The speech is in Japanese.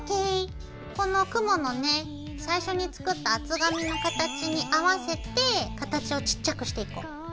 この雲のね最初に作った厚紙の形に合わせて形をちっちゃくしていこう。